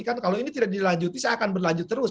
kalau ini tidak dilanjuti saya akan berlanjut terus